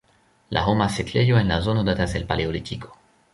La homa setlejo en la zono datas el paleolitiko.